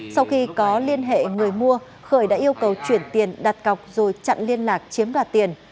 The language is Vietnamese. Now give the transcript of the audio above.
sau khi có liên hệ người mua khởi đã yêu cầu chuyển tiền đặt cọc rồi chặn liên lạc chiếm đoạt tiền